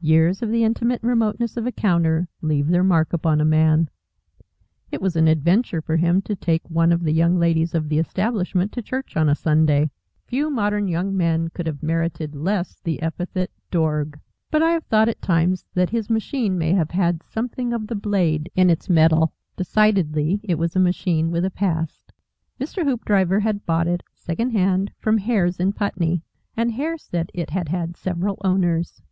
Years of the intimate remoteness of a counter leave their mark upon a man. It was an adventure for him to take one of the Young Ladies of the establishment to church on a Sunday. Few modern young men could have merited less the epithet "Dorg." But I have thought at times that his machine may have had something of the blade in its metal. Decidedly it was a machine with a past. Mr. Hoopdriver had bought it second hand from Hare's in Putney, and Hare said it had had several owners.